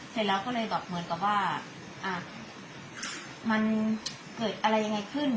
เสร็จแล้วก็เลยแบบเหมือนกับว่ามันเกิดอะไรยังไงขึ้น